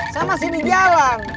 saya masih di jalan